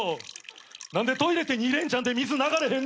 何でトイレって２連チャンで水流れへんねん！